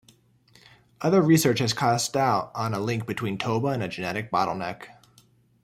Other research has cast doubt on a link between Toba and a genetic bottleneck.